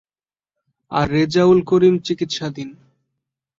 আর রেজাউল করিম চিকিৎসাধীন।